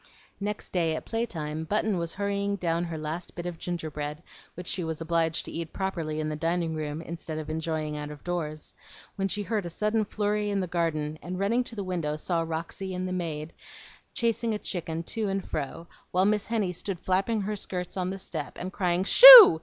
Next day at play time, Button was hurrying down her last bit of gingerbread, which she was obliged to eat properly in the dining room, instead of enjoying out of doors, when she heard a sudden flurry in the garden, and running to the window saw Roxy the maid chasing a chicken to and fro, while Miss Henny stood flapping her skirts on the steps, and crying, "Shoo!"